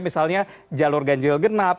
misalnya jalur ganjil genap